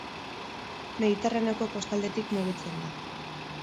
Mediterraneoko kostaldetik mugitzen da.